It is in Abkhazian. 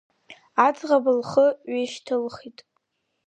Аӡӷаб лхы ҩышьҭылхит.